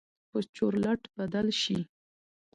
به چورلټ بدل شي.